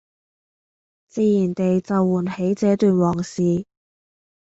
自然地就喚起這段往事